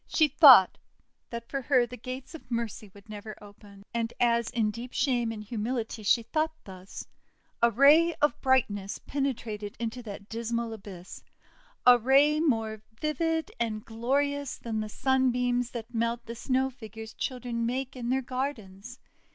She thought that for her the gates of Mercy would never open. And, as in deep shame and humility she thought thus, a ray of brightness penetrated into that dismal abyss, a ray more vivid and glorious than the Sunbeams that melt the Snow Figures children make in their gardens.